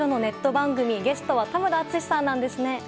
番組ゲストは田村淳さんなんですね。